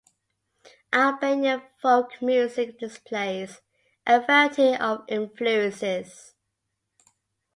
Albanian folk music displays a variety of influences.